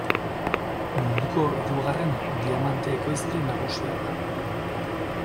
Munduko hirugarren diamante-ekoizle nagusia da.